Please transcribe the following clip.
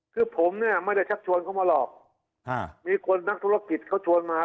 คือผมเนี่ยไม่ได้ชักชวนเขามาหรอกมีคนนักธุรกิจเขาชวนมา